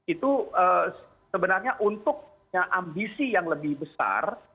itu sebenarnya untuk punya ambisi yang lebih besar